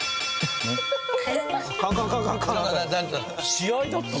試合だったの？